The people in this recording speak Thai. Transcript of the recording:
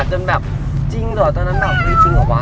จนแบบจริงเหรอตอนนั้นหนังมีจริงเหรอวะ